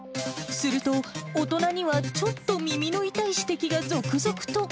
すると、大人にはちょっと耳の痛い指摘が続々と。